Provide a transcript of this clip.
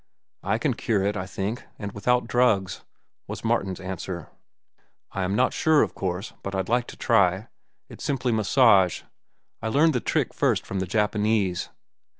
"I can cure it, I think, and without drugs," was Martin's answer. "I am not sure, of course, but I'd like to try. It's simply massage. I learned the trick first from the Japanese.